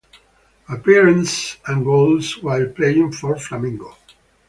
Appearances and goals while playing for Flamengo.